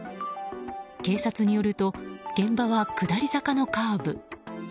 警察によると現場は下り坂のカーブ。